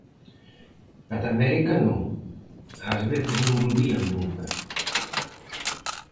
A de América non, ás veces non volvían nunca.